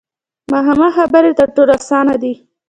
مخامخ خبرې تر ټولو اسانه دي.